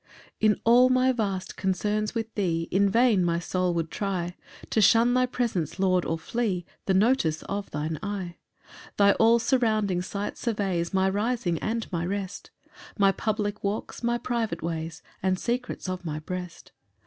1 In all my vast concerns with thee In vain my soul would try To shun thy presence, Lord, or flee The notice of thine eye. 2 Thy all surrounding sight surveys My rising and my rest, My public walks, my private ways, And secrets of my breast.